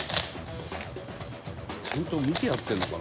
「ちゃんと見てやってるのかな？」